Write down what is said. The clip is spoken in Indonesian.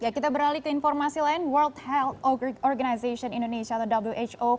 kita beralih ke informasi lain world health organization indonesia atau who